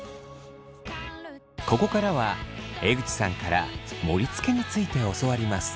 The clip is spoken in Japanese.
ここからは江口さんから盛りつけについて教わります。